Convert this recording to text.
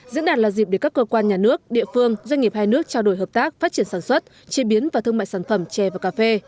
diễn đàn là dịp để các cơ quan nhà nước địa phương doanh nghiệp hai nước trao đổi hợp tác phát triển sản xuất chế biến và thương mại sản phẩm chè và cà phê